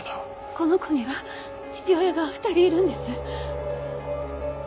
この子には父親が２人いるんです。